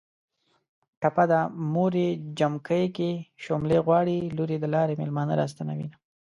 ټپه ده.: موریې جمکی کې شوملې غواړي ــــ لوریې د لارې مېلمانه را ستنوینه